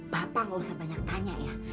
bapak gak usah banyak tanya ya